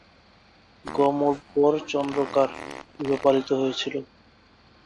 গম উর্বর চন্দ্রকায় গৃহপালিত হয়েছিল।